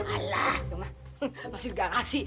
alah dong masih di garasi